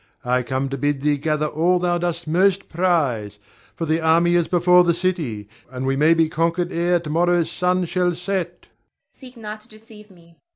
I come to bid thee gather all thou dost most prize, for the army is before the city, and we may be conquered ere to morrow's sun shall set. Zara. Seek not to deceive me.